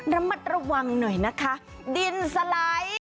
ระมัดระวังหน่อยนะคะดินสไลด์